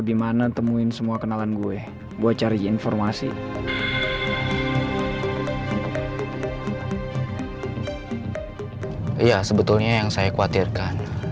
dimana temuin semua kenalan gue gue cari informasi ya sebetulnya yang saya khawatirkan